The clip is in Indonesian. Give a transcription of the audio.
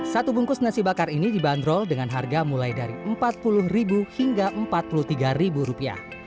satu bungkus nasi bakar ini dibanderol dengan harga mulai dari rp empat puluh hingga rp empat puluh tiga